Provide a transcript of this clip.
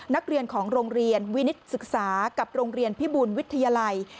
นักเรียนของโรงเรียนวินิตศึกษากับโรงเรียนพิบูลวิทยาลัย